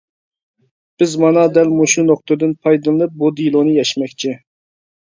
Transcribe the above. بىز مانا دەل مۇشۇ نۇقتىدىن پايدىلىنىپ بۇ دېلونى يەشمەكچى.